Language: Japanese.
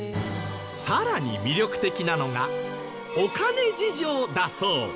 さらに魅力的なのがお金事情だそう。